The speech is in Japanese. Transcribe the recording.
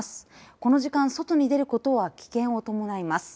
この時間外に出ることは危険を伴います。